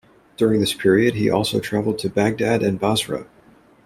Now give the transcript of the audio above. During this period, he also travelled to Baghdad and Basra.